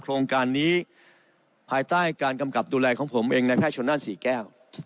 โครงการนี้ภายใต้การกำกับดูแลของผมเองในแพทย์ชนนั่นศรีแก้ว